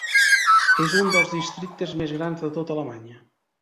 És un dels districtes més grans de tota Alemanya.